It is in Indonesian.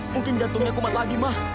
mungkin jantungnya kumat lagi ma